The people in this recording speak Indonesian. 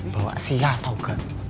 bawa sia atau engga